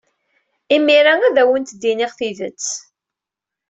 Imir-a ad awent-d-iniɣ tidet.